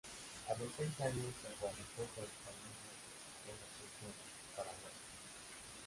A los seis años se radicó con su familia en Asunción, Paraguay.